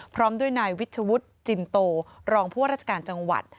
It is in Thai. พร้อมด้วยนายวิชวุฒิจินโตรองผู้ว่าราชการจังหวัด